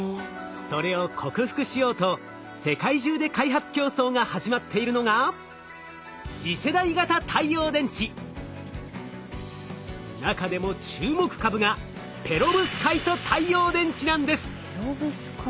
それを克服しようと世界中で開発競争が始まっているのが中でも注目株がペロブスカイト太陽電池。